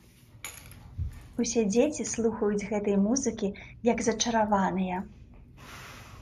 Усе дзеці слухаюць гэтай музыкі як зачараваныя.